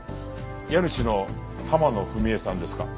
家主の浜野文恵さんですか？